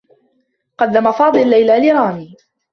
قدّم فاضل ليلى لرامي.